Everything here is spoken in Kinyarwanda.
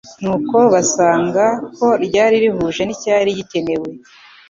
nuko basanga ko ryari rihuje n'icyari gikenewe.